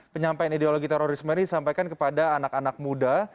penyampaian ideologi terorisme ini disampaikan kepada anak anak muda